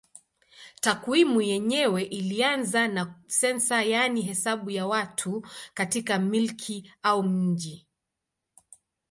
Takwimu yenyewe ilianza na sensa yaani hesabu ya watu katika milki au mji.